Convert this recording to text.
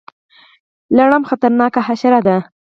لړم خطرناکه حشره ده